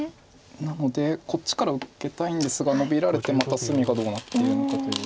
なのでこっちから受けたいんですがノビられてまた隅がどうなっているのかという。